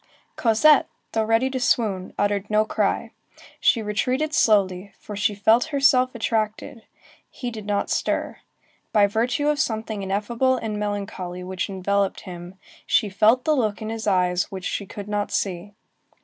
Cosette, though ready to swoon, uttered no cry. She retreated slowly, for she felt herself attracted. He did not stir. By virtue of something ineffable and melancholy which enveloped him, she felt the look in his eyes which she could not see.